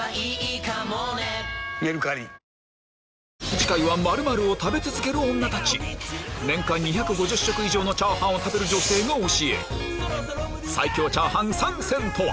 次回は○○を食べ続ける女たち年間２５０食以上のチャーハンを食べる女性が教える最強チャーハン３選とは？